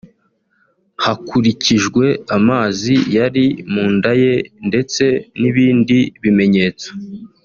hakurikijwe amazi yari mu nda ye ndetse n’ibindi bimenyetso